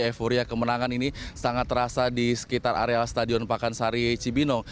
euforia kemenangan ini sangat terasa di sekitar areal stadion pakansari cibino